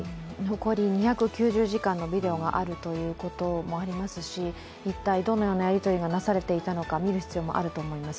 残り２９０時間のビデオがあるということもありますし一体、どのようなやり取りがなされていたのか見る必要があると思います。